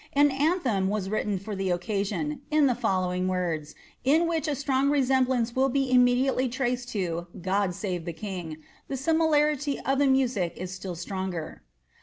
An anthem was written for the occasio: in the following woras, in which a strong resemblance will be imm* diately traced to ^ Qod save the king ;^' the similarity of the music still stronger.'